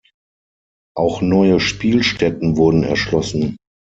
Auch neue Spielstätten wurden erschlossen.